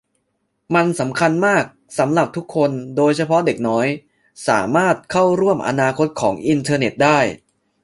มันสำคัญมากสำหรับทุกคนโดยเฉพาะเด็กน้อยสามารถเข้าร่วมอนาคตของอินเทอร์เน็ตได้